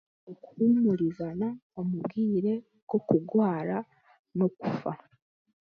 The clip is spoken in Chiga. Okuhumurizana omu bwiire bw'okurwaara n'okufa.